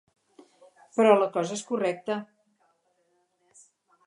Però la cosa és correcta.